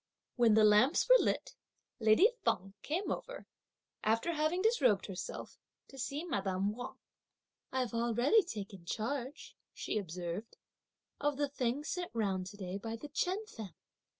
When the lamps were lit, lady Feng came over, after having disrobed herself, to see madame Wang. "I've already taken charge," she observed, "of the things sent round to day by the Chen family.